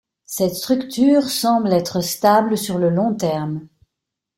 Cette structure semble être stable sur le long terme.